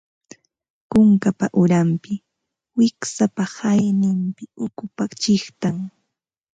Kunkapa uranpi, wiksapa hanayninpi ukupa chiqtan